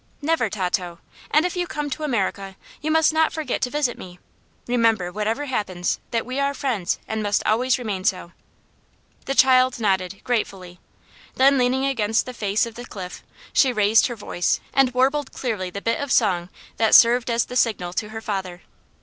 "Never, Tato. And if you come to America you must not forget to visit me. Remember, whatever happens, that we are friends, and must always remain so." The child nodded, gratefully. Then, leaning against the face of the cliff, she raised her voice and warbled clearly the bit of song that served as the signal to her father.